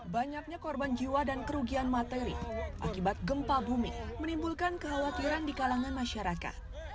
banyaknya korban jiwa dan kerugian materi akibat gempa bumi menimbulkan kekhawatiran di kalangan masyarakat